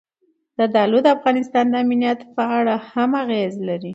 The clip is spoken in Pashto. زردالو د افغانستان د امنیت په اړه هم خپل اغېز لري.